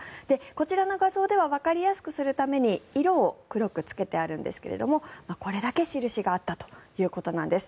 こちらの画像ではわかりやすくするために色を黒くつけてあるんですがこれだけ印があったということです。